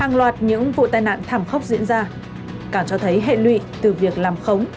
hàng loạt những vụ tai nạn thảm khốc diễn ra cả cho thấy hệ lụy từ việc làm khống